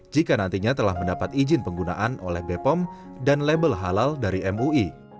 jika nantinya telah mendapat izin penggunaan oleh bepom dan label halal dari mui